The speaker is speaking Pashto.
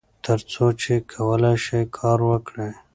تر څو چې کولای شئ کار وکړئ.